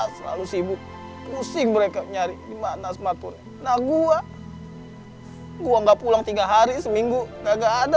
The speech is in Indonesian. selalu sibuk pusing mereka nyari gimana smartphone nah gua gua nggak pulang tiga hari seminggu nggak ada